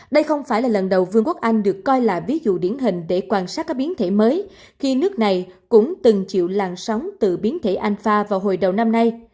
đây không phải là lần đầu vương quốc anh được coi là ví dụ điển hình để quan sát các biến thể mới khi nước này cũng từng chịu làn sóng từ biến thể anh pha vào hồi đầu năm nay